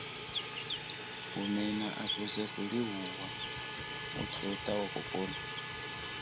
Kumena akuze kuliwuwa uthuta wa kupola.